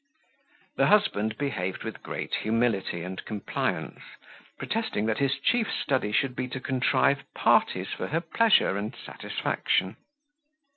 The husband behaved with great humility and compliance, protesting that his chief study should be to contrive parties for her pleasure and satisfaction.